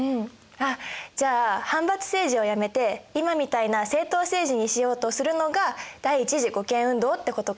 あっじゃあ藩閥政治をやめて今みたいな政党政治にしようとするのが第一次護憲運動ってことか。